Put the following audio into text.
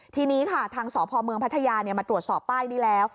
ทีนี้ค่ะทางสพเมืองพัทยามาตรวจสอบป้ายนี้แล้ว